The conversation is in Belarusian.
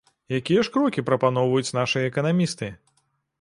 Якія ж крокі прапаноўваюць нашыя эканамісты?